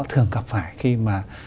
thường gặp phải khi mà